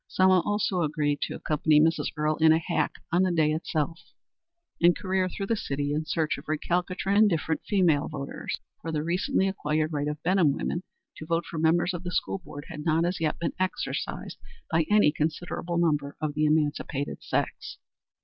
Selma also agreed to accompany Mrs. Earle in a hack on the day itself, and career through the city in search of recalcitrant or indifferent female voters, for the recently acquired right of Benham women to vote for members of the School Board had not as yet been exercised by any considerable number of the emancipated sex.